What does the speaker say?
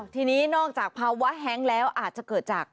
ทีนี้นอกจากภาวะแฮ้งแล้วอาจจะเกิดจาก